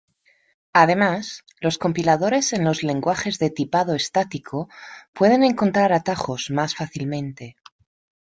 Además, los compiladores en los lenguajes de tipado estático pueden encontrar atajos más fácilmente.